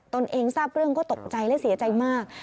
ตนเองทราบเรื่องก็ตกใจและเสียใจมาก